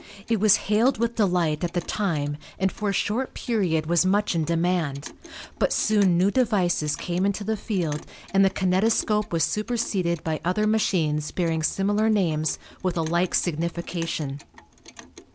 It was hailed with delight at the time and for a short period was much in demand, but soon new devices came into the field and the kinetoscope was superseded by other machines bearing similar names with a like signification.